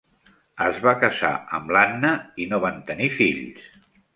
Es va casar amb l"Anna i no van tenir fills.